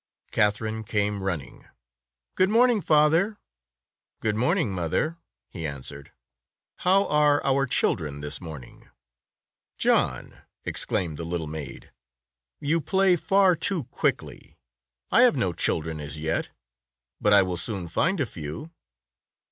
Katherine came running. "Good morn ing, father." "Good morning, mother," he answered. "How are our children this morning?" "John," exclaimed the little maid, "you play far too quickly! I have no children as yet, but I will soon find a few."